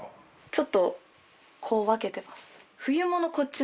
ちょっとこう分けてます。